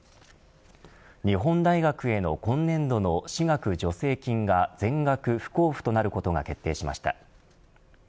日本大学への今年度の私学助成金が全額不交付となることが決定しました。